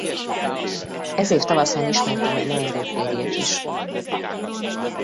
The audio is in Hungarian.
Ez év tavaszán ismerte meg leendő férjét is.